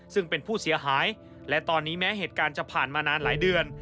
ซึ่งเป็นผู้เสียหายและตอนนี้แม้เหตุการณ์จะผ่านมานานหลายเดือน